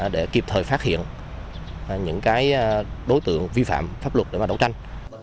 để kịp thời phát hiện những đối tượng vi phạm pháp luật để đấu tranh